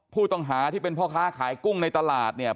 ผู้ต้องหาที่เป็นพ่อค้าขายกุ้งในตลาดเนี่ย